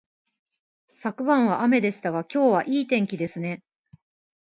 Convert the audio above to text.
昨晩は雨でしたが、今日はいい天気ですね